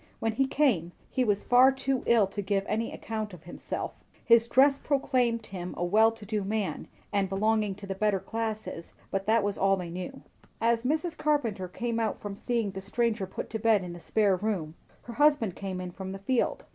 When he came, he was far too ill to give any account of himself; his dress proclaimed him a well to do man, and belonging to the better classes; that was all they knew. As Mrs. Carpenter came out from seeing the stranger put to bed in the spare room, her husband came in from the field.